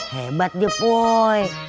hebat dia poy